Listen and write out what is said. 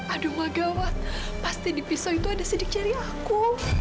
aduh megawat pasti di pisau itu ada sidik jari aku